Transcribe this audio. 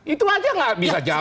itu aja nggak bisa jawab